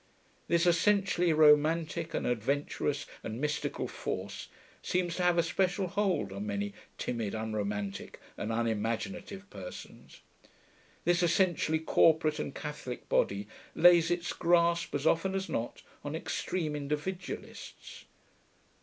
This essentially romantic and adventurous and mystical force seems to have a special hold on many timid, unromantic and unimaginative persons. This essentially corporate and catholic body lays its grasp as often as not on extreme individualists.